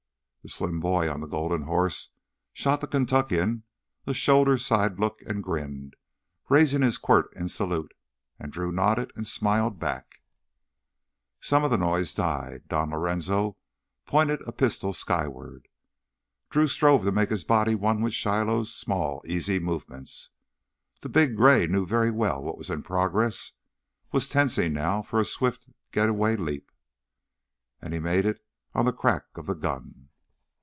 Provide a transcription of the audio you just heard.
The slim boy on the golden horse shot the Kentuckian a shoulder side look and grinned, raising his quirt in salute as Drew nodded and smiled back. Some of the noise died. Don Lorenzo pointed a pistol skyward. Drew strove to make his body one with Shiloh's small easy movements. The big gray knew very well what was in progress, was tensing now for a swift getaway leap. And he made it on the crack of the gun.